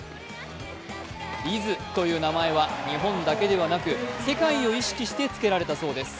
凛音という名前は日本だけではなく世界を意識してつけられたそうです。